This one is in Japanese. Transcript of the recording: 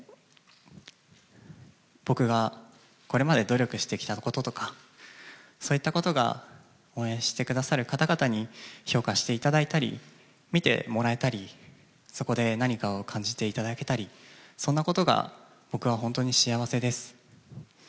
僕がこれまで努力してきたこととか、そういったことが応援してくださる方々に評価していただいたり、見てもらえたり、そこで何かを感じていただけたりそんなことが僕は本当に幸せです。